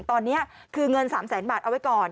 ตอนนี้คือเงิน๓แสนบาทเอาไว้ก่อน